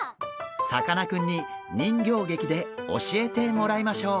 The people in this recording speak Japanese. さかなクンに人形劇で教えてもらいましょう。